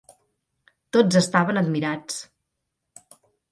Tots estaven admirats.